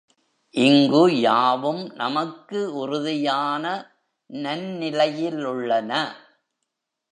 இங்கு யாவும் நமக்கு உறுதியான நன்னிலையிலுள்ளன.